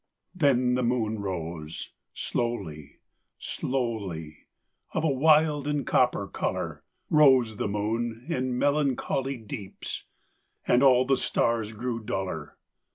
Then the moon rose. Slowly, slowly, Of a wild and copper color, Rose the moon, in melancholy Deeps; and all the stars grew duller.